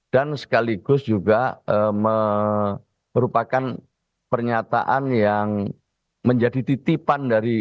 dan sekaligus juga merupakan pernyataan yang menjadi titipan dari